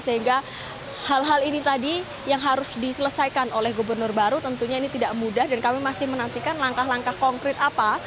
sehingga hal hal ini tadi yang harus diselesaikan oleh gubernur baru tentunya ini tidak mudah dan kami masih menantikan langkah langkah konkret apa